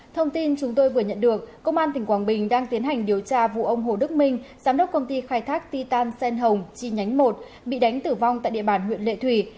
thông tin chúng tôi vừa nhận được công an tỉnh quảng bình đang tiến hành điều tra vụ ông hồ đức minh giám đốc công ty khai thác titan xen hồng chi nhánh một bị đánh tử vong tại địa bàn huyện lệ thủy